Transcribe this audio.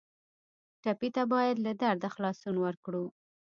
ټپي ته باید له درده خلاصون ورکړو.